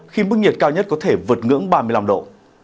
khi mức nhiệt cao nhất có thể vượt ngưỡng ba mươi năm độ